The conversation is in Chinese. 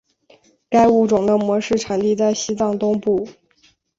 该物种的模式产地在西藏东部。